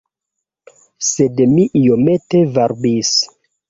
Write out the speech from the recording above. Sed mi iomete varbis.